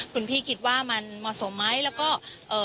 คุณพี่คิดว่ามันเหมาะสมไหมแล้วก็เอ่อ